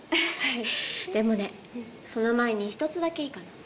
でもねその前に１つだけいいかな？